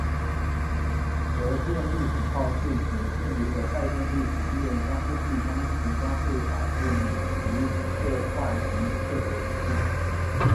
荷电粒子炮是指电离的带电粒子利用加速器将其加速打出以其破坏敌械的武器。